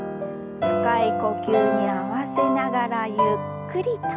深い呼吸に合わせながらゆっくりと。